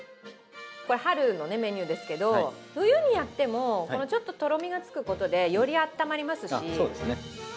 春のメニューですけど、冬にやってもちょっととろみがつくことでより温まりますし。